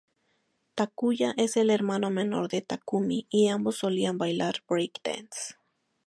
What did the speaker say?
Takuya es el hermano menor de Takumi y ambos solían bailar break dance.